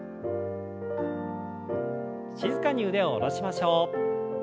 静かに腕を下ろしましょう。